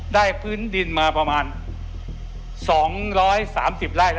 พื้นดินมาประมาณ๒๓๐ไร่แล้ว